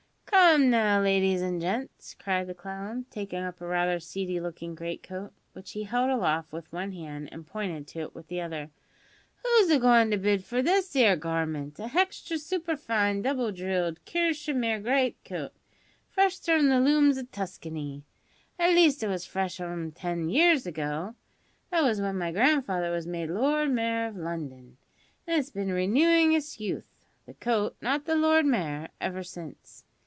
"Come; now, ladies an' gents," cried the clown, taking up a rather seedy looking great coat, which he held aloft with one hand, and pointed to it with the other, "Who's agoin' to bid for this 'ere garment a hextra superfine, double drilled, kershimere great coat, fresh from the looms o' Tuskany at least it was fresh from 'em ten years ago (that was when my grandfather was made Lord Mayor of London), an' its bin renewing its youth (the coat, not the Lord Mayor) ever since.